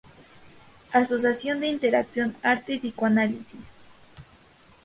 Asociación de Interacción Arte-Psicoanálisis.